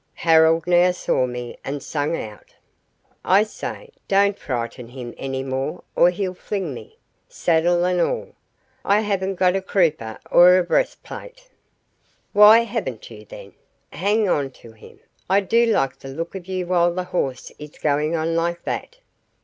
Harold now saw me and sang out: "I say, don't frighten him any more or he'll fling me, saddle and all. I haven't got a crupper or a breastplate." "Why haven't you, then? Hang on to him. I do like the look of you while the horse is going on like that."